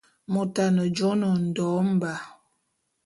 Mot ane jôé na Ondo Mba.